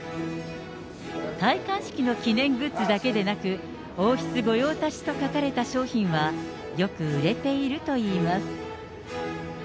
戴冠式の記念グッズだけでなく、王室御用達と書かれた商品はよく売れているといいます。